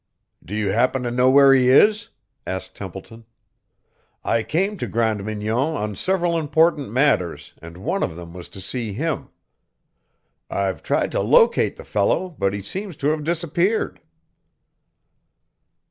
"Do you happen to know where he is?" asked Templeton. "I came to Grande Mignon on several important matters, and one of them was to see him. I've tried to locate the fellow, but he seems to have disappeared."